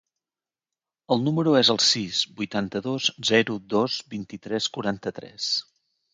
El meu número es el sis, vuitanta-dos, zero, dos, vint-i-tres, quaranta-tres.